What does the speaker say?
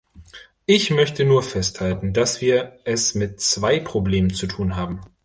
Ich möchte nur festhalten, dass wir es mit zwei Problemen zu tun haben.